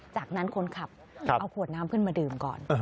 จากนั้นคนขับเอาขวดน้ำขึ้นมาดื่มก่อน